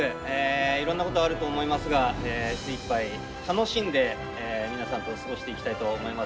いろんなことあると思いますが精いっぱい楽しんで皆さんと過ごしていきたいと思います。